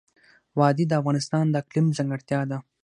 وادي د افغانستان د اقلیم ځانګړتیا ده.